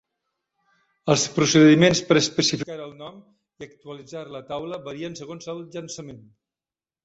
Els procediments per especificar el nom i actualitzar la taula varien segons el llançament.